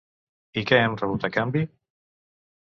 I què hem rebut a canvi?